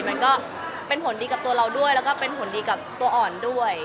มันก็เป็นผลดีกับตัวเราด้วยแล้วก็เป็นผลดีกับตัวอ่อนด้วย